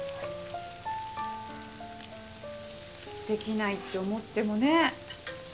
できないって思ってもね